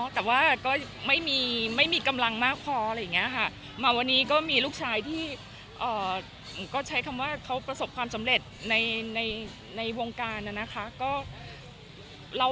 แต่ไม่มีกำลังมากพอมาวันนี้ก็มีลูกชายที่ประสบความสำเร็จในวงการ